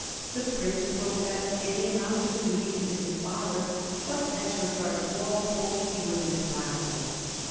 The prince professed any amount of duty to his father, but as regards Walpole he was implacable.